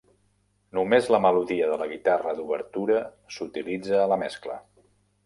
Només la melodia de la guitarra d'obertura s'utilitza a la mescla.